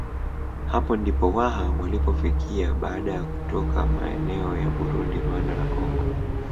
Hapo ndipo Waha walipofikia baada ya kutoka maeneo ya Burundi Rwanda na Kongo